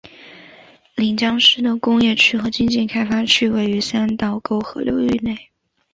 临江市的工业区和经济开发区位于三道沟河流域内。